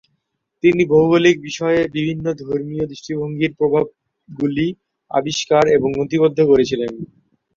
তিনি ভৌগোলিক বিষয়ে বিভিন্ন ধর্মীয় দৃষ্টিভঙ্গির প্রভাবগুলি আবিষ্কার এবং নথিবদ্ধ করেছিলেন।